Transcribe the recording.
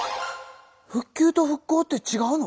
復旧と復興って違うの？